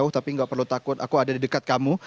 tapi gak perlu takut aku ada di dekat kamu